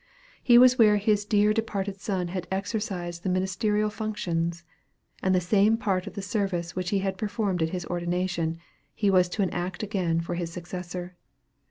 He was where his dear departed son had exercised the ministerial functions, and the same part of the service which he had performed at his ordination, he was to enact again for his successor.